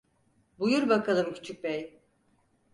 Buyur bakalım küçükbey…